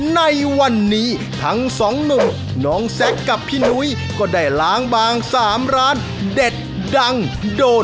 ในวันนี้ทั้งสองหนุ่มน้องแซคกับพี่นุ้ยก็ได้ล้างบาง๓ร้านเด็ดดังโดย